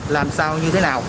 làm sao như thế nào